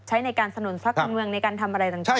ใช้ในการสนุนภาคการเมืองในการทำอะไรต่างจากนั้น